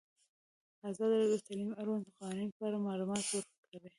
ازادي راډیو د تعلیم د اړونده قوانینو په اړه معلومات ورکړي.